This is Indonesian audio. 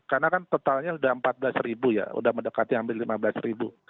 karena kan totalnya sudah empat belas ribu ya sudah mendekati hampir lima belas ribu